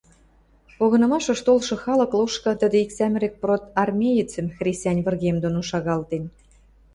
Погынымашыш толшы халык лошкы тӹдӹ ик сӓмӹрӹк продармеецӹм хресӓнь выргем доно шагалтен.